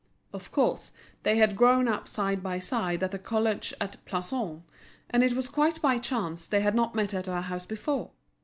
Of course, they had grown up side by side at the college at Plassans, and it was quite by chance they had not met at her house before.